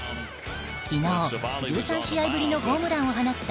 昨日、１３試合ぶりのホームランを放った